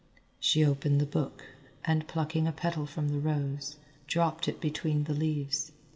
She opened the book and, plucking a petal from the rose, dropped it between the leaves.